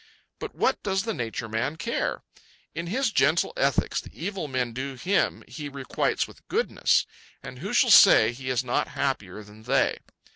But what does the Nature Man care? In his gentle ethics the evil men do him he requites with goodness. And who shall say he is not happier than they?